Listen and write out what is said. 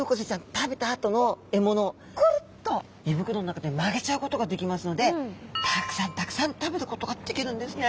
食べたあとの獲物をくるっと胃袋の中で曲げちゃうことができますのでたくさんたくさん食べることができるんですね。